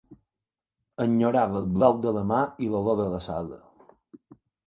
Enyorava el blau de la mar i l'olor de la sal.